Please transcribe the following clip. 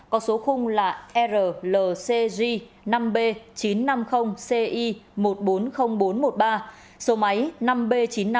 có số khung là rlcj năm b chín trăm năm mươi ci một trăm bốn mươi nghìn bốn trăm một mươi ba số máy năm b chín năm một bốn không bốn một hai